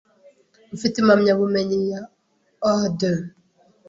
ufite impamyabumenyi ya A deux